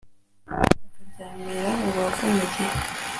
cyangwa akaryamira urubavu mu gihe